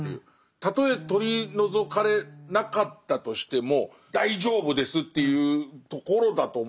たとえ取り除かれなかったとしても大丈夫ですっていうところだと思うんですよ。